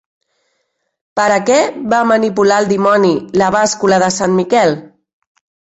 Per a què va manipular el dimoni la bàscula de sant Miquel?